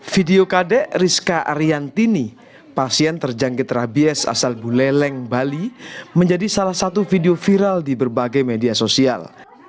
video kadek rizka ariantini pasien terjangkit rabies asal buleleng bali menjadi salah satu video viral di berbagai media sosial